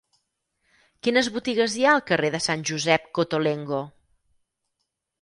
Quines botigues hi ha al carrer de Sant Josep Cottolengo?